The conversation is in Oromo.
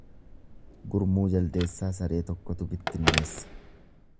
Gurmuu jaldeessaa saree tokkotu bittinneessa.